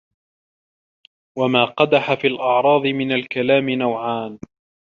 وَمَا قَدَحَ فِي الْأَعْرَاضِ مِنْ الْكَلَامِ نَوْعَانِ